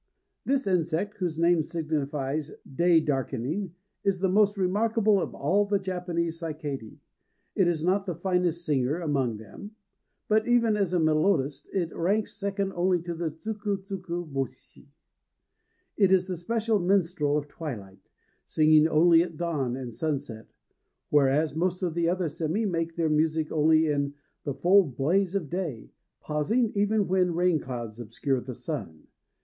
THIS insect, whose name signifies "day darkening," is the most remarkable of all the Japanese cicadæ. It is not the finest singer among them; but even as a melodist it ranks second only to the tsuku tsuku bôshi. It is the special minstrel of twilight, singing only at dawn and sunset; whereas most of the other sémi make their music only in the full blaze of day, pausing even when rain clouds obscure the sun.